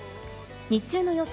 日中の予想